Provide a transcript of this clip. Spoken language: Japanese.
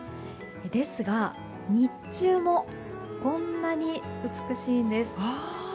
ですが日中もこんなに美しいんです。